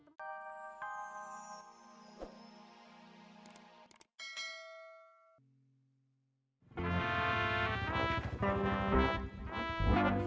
siapa tadi mi